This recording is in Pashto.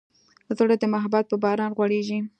زړه د محبت په باران غوړېږي.